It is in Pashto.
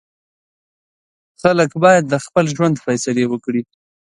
خلک باید د خپل ژوند فیصلې وکړي.